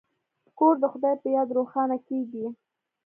کور د خدای په یاد روښانه کیږي.